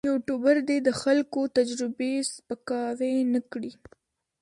یوټوبر دې د خلکو تجربې سپکاوی نه کړي.